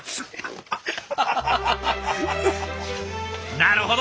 なるほど！